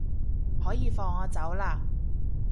可以放我走喇